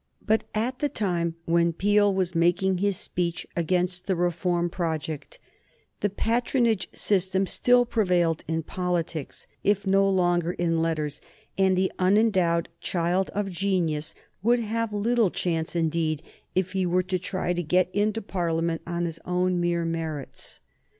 But at the time when Peel was making his speech against the Reform project the patronage system still prevailed in politics, if no longer in letters, and the unendowed child of genius would have little chance indeed if he were to try to get into Parliament on his own mere merits.